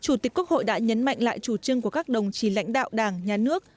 chủ tịch quốc hội đã nhấn mạnh lại chủ trương của các đồng chí lãnh đạo đảng nhà nước